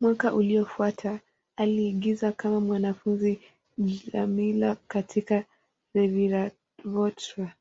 Mwaka uliofuata, aliigiza kama mwanafunzi Djamila kwenye "Reviravolta".